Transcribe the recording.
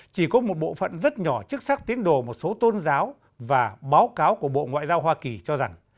chỉ có một bộ phận rất nhỏ chức sách tiến đổ một số tôn giáo và báo cáo của bộ ngoại giao hoa kỳ cho rằng